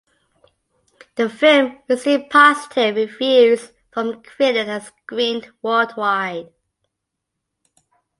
The film received positive reviews from critics and screened worldwide.